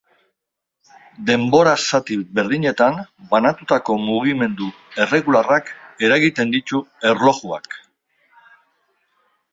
Denbora-zati berdinetan banatutako mugimendu erregularrak eragiten ditu erlojuak.